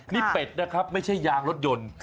นี่เป็ดนะครับไม่ใช่ยางรถยนต์